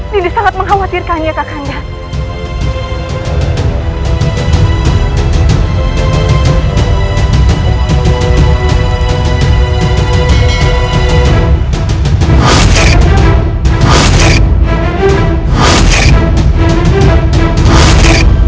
dinda sangat mengkhawatirkannya kakak indah